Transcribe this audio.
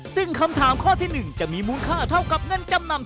ซึ่งคำถามข้อที่๑จะมีมูลค่าเท่ากับเงินจำนำ